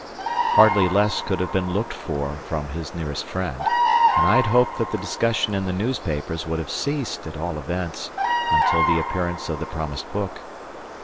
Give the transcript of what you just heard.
Hardly less could have been looked for from his nearest friend, and I had hoped that the discussion in the newspapers would have ceased, at all events, until the appearance of the promised book.